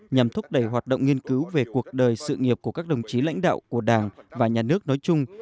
nhằm thúc đẩy hoạt động nghiên cứu về cuộc đời sự nghiệp của các đồng chí lãnh đạo của đảng và nhà nước nói chung